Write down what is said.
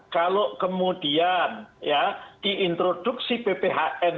ya itu konsensi yang disampaikan oleh